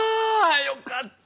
よかった！